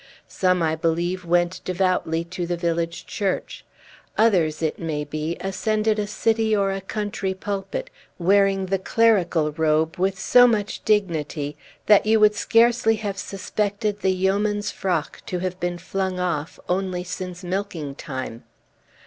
Some, I believe, went devoutly to the village church. Others, it may be, ascended a city or a country pulpit, wearing the clerical robe with so much dignity that you would scarcely have suspected the yeoman's frock to have been flung off only since milking time.